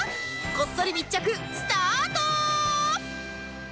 こっそり密着スタート！